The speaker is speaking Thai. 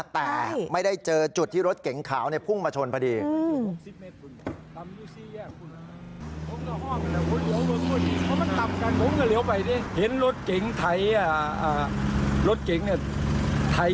แต่ไม่ได้เจอจุดที่รถเก๋งขาวพุ่งมาชนพอดี